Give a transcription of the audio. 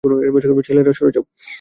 ছেলেরা সরে যাও।